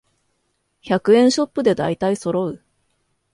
百円ショップでだいたいそろう